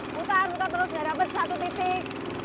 putar putar terus gak dapet satu titik